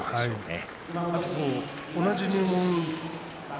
同じ入門。